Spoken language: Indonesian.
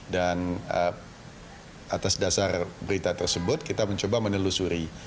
dan atas dasar berita tersebut kita mencoba menelusuri